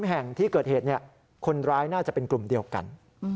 แห่งที่เกิดเหตุคนร้ายน่าจะเป็นกลุ่มเดียวกัน